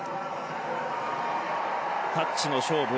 タッチの勝負